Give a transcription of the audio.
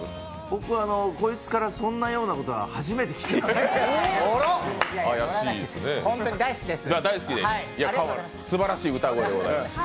僕はこいつからそんなようなことは初めて聞きました。